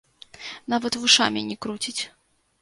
Нават вушамі не круціць.